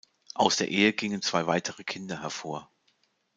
Aus der Ehe gingen zwei weitere Kinder hervor.